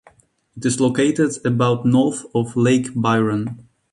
It is located about north of Lake Byron.